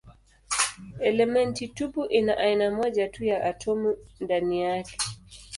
Elementi tupu ina aina moja tu ya atomi ndani yake.